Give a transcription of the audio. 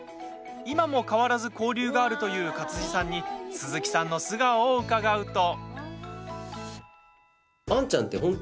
今も変わらず交流があるという勝地さんに鈴木さんの素顔を伺うと。